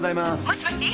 ☎もしもし！